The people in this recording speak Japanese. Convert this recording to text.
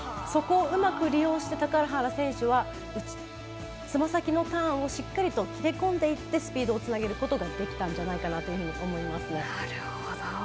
そこをうまく利用して高原選手はつま先のターンでしっかり切り込んでいってスピードをつなげることができたんじゃないかなと思います。